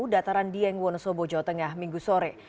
dataran dieng wonosobo jawa tengah minggu sore